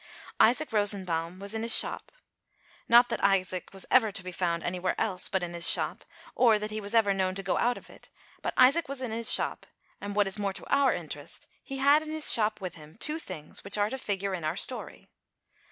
Isaac Rosenbaum was in his shop. Not that Isaac was ever to be found anywhere else, but in his shop, or that he was ever known to go out of it, but Isaac was in his shop, and what is more to our interest, he had in his shop with him, two things, which are to figure in our story.